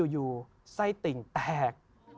อยู่ไส้ติ่งแตก